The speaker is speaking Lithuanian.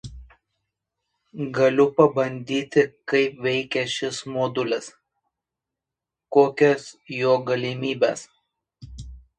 Upė įteka į Narevo upę prie Topileco kaimo.